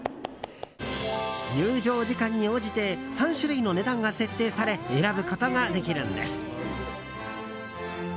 入場時間に応じて３種類の値段が設定され選ぶことができるんです。